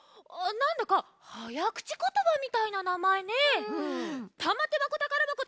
なんだかはやくちことばみたいななまえね。